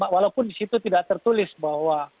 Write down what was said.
walaupun di situ tidak tertulis bahwa